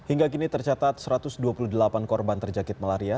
hingga kini tercatat satu ratus dua puluh delapan korban terjakit malaria